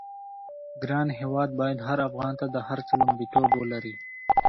ګران هېواد بايد هر افغان ته د هر څه لومړيتوب ولري.